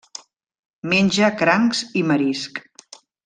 Menja crancs i marisc.